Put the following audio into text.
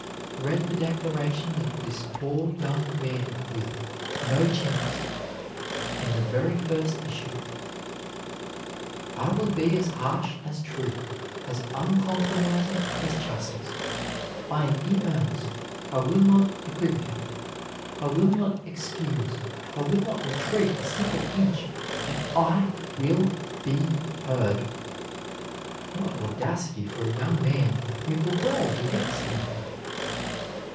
Read the declaration of this poor young man with "no chance," in the very first issue: "I will be as harsh as truth, as uncompromising as justice. I am in earnest. I will not equivocate, I will not excuse; I will not retreat a single inch, and I will be heard." What audacity for a young man, with the world against him!